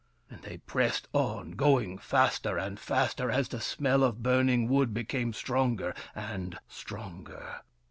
And they pressed on, going faster and faster as the smell of burning wood became stronger and stronger.